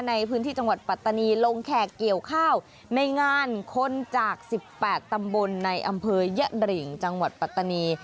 ในพื้นที่จังหวัดปัตตานีลงแขกเกี่ยวข้าวในงานคนจาก๑๘ตำบลในอำเภอยะริงจังหวัดปัตตานี